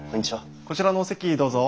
こちらのお席どうぞ。